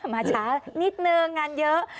มาช้านิดนึงงานเยอะ